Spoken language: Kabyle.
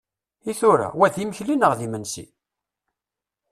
I tura, wa d imekli neɣ d imensi?